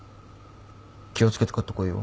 気を付けて帰ってこいよ。